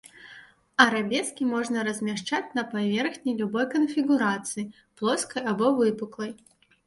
Арабескі можна размяшчаць на паверхні любой канфігурацыі, плоскай або выпуклай.